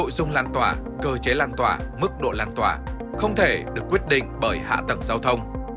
nội dung lan tỏa cơ chế lan tỏa mức độ lan tỏa không thể được quyết định bởi hạ tầng giao thông